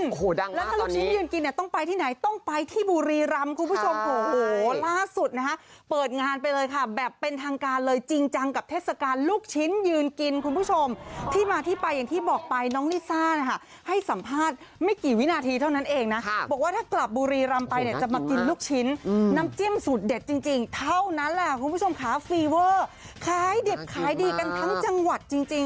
แล้วถ้าลูกชิ้นยืนกินเนี่ยต้องไปที่ไหนต้องไปที่บุรีรัมคุณผู้ชมโหล่าสุดนะคะเปิดงานไปเลยค่ะแบบเป็นทางการเลยจริงจังกับเทศกาลลูกชิ้นยืนกินคุณผู้ชมที่มาที่ไปอย่างที่บอกไปน้องลิซ่านะคะให้สัมภาษณ์ไม่กี่วินาทีเท่านั้นเองนะบอกว่าถ้ากลับบุรีรัมไปเนี่ยจะมากินลูกชิ้นน้ำจิ้มสูตรเด็ดจ